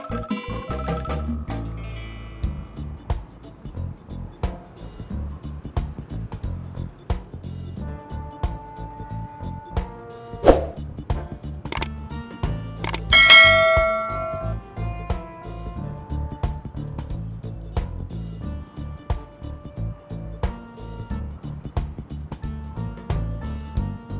kekacauan itu menyebabkan kami